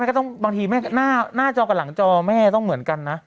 ก็ต้องบางทีแม่หน้าจอกับหลังจอแม่ต้องเหมือนกันนะ